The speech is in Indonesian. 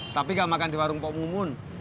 tapi gak makan di warung pong mumun